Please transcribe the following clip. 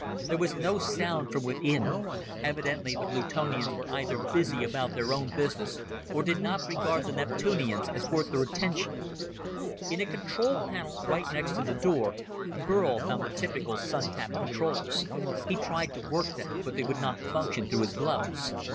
There was no sound from within. Evidently the Plutonians were either busy about their own business, or did not regard the Neptunians as worth their attention. In a covered panel right next to the door, Burl found the typical Sun tap controls. He tried to work them, but they would not function through his gloves.